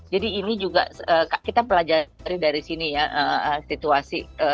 jadi ini juga kita pelajari dari sini ya situasi